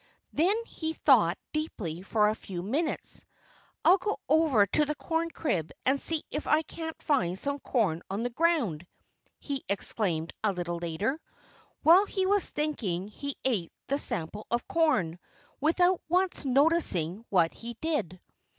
Then he thought deeply for a few minutes. "I'll go over to the corn crib and see if I can't find some corn on the ground!" he exclaimed a little later. While he was thinking he ate the sample of corn, without once noticing what he did.